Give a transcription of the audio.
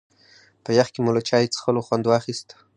په يخ کې مو له چای څښلو خوند واخيست.